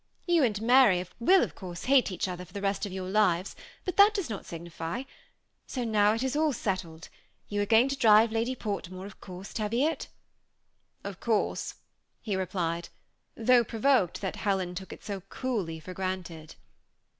You and Mary will, of course, hate each other for the rest of your lives ; but that does not signify. So now it is all settled. You are going to drive Lady Portmore, of course, Teviot?*' " Of course," he replied, though provoked that Helen took it so coolly for granted.